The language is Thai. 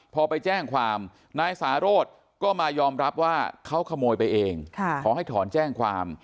พอไปแจ้งความนายสาโรธก็มายอมรับว่าเขาขโมยไปเองขอให้ถอนแจ้งความ